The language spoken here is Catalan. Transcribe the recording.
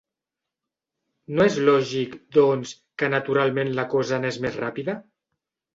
No és lògic, doncs, que naturalment la cosa anés més ràpida?